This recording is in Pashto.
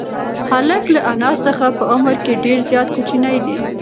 هلک له انا څخه په عمر کې ډېر زیات کوچنی دی.